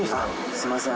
すいません。